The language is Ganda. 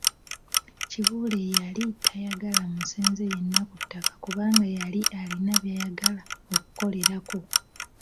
Kibuule yali tayagala musenze yenna ku ttaka kubanga yali alina by’ayagala okukolerako.